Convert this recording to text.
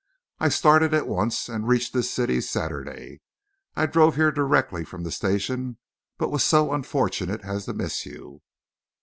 I started at once, and reached this city Saturday. I drove here directly from the station, but was so unfortunate as to miss you."